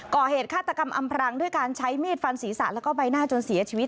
ฆาตกรรมอำพรางด้วยการใช้มีดฟันศีรษะแล้วก็ใบหน้าจนเสียชีวิต